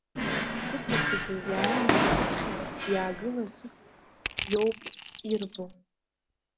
Сыблақәагьы иааины саԥхьа иаагылаз иоуп ирбо.